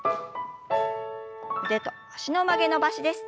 腕と脚の曲げ伸ばしです。